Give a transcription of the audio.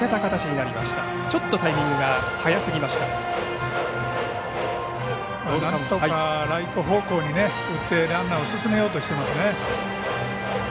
なんとかライト方向に打ってランナーを進めようとしていますね。